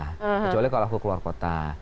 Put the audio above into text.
kecuali kalau aku keluar kota